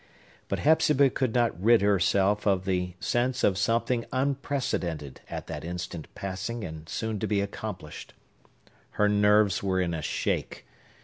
But Hepzibah could not rid herself of the sense of something unprecedented at that instant passing and soon to be accomplished. Her nerves were in a shake.